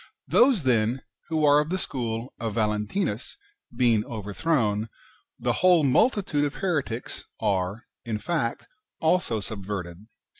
Those, then, who are of the school of Valentinus being overthrown, the whole multitude of heretics are, in fact, also subverted.